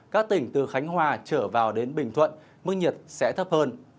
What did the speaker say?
các tỉnh từ khánh hòa trở vào đến bình thuận mức nhiệt sẽ thấp hơn